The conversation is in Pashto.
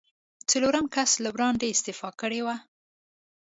څلورم کس له وړاندې استعفا کړې وه.